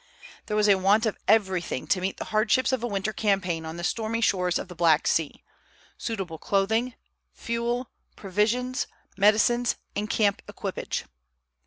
There was a want of everything to meet the hardships of a winter campaign on the stormy shores of the Black Sea, suitable clothing, fuel, provisions, medicines, and camp equipage.